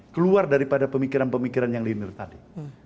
keluar daripada pemikiran pemikiran yang liner tadi